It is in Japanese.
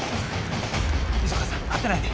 磯川さん当てないで！